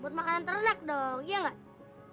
buat makanan ternak dong iya enggak